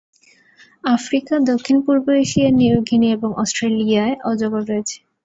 Africa, দক্ষিণ-পূর্ব Asia, New Guinea এবং অস্ট্রেলিয়ায় অজগর রয়েছে।